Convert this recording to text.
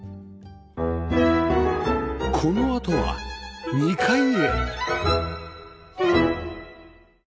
このあとは２階へ